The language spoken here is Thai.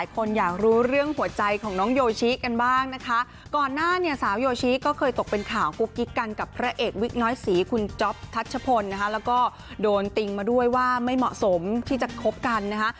ทัชชะพนนะคะแล้วก็โดนติ้งมาด้วยว่าไม่เหมาะสมที่จะคบกันนะคะ